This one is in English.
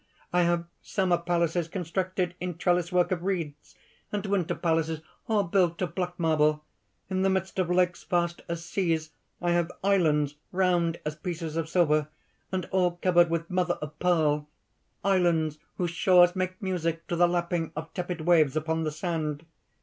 I have summer palaces constructed in trellis work of reeds, and winter palaces all built of black marble. In the midst of lakes vast as seas, I have islands round as pieces of silver, and all covered with mother of pearl, islands whose shores make music to the lapping of tepid waves upon the sand.